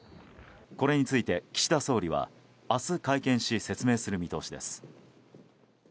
これについて、岸田総理は明日会見し説明する見通しです。